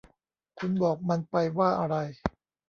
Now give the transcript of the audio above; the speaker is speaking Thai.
คุณบอกมันไปว่าอะไร